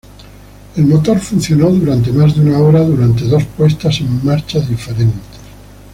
El motor funcionó durante más de una hora durante dos puestas en marcha diferentes.